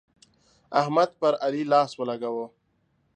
احمد پر علي لاس ولګاوو.